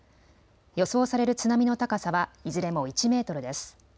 予想される津波の高さはいずれも１メートルです。